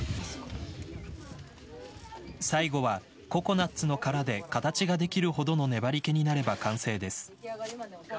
最後はココナッツの殻で形ができるほどの粘り気になれば完成です。